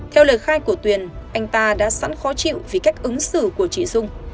theo lời khai của tuyền anh ta đã sẵn khó chịu vì cách ứng xử của chị dung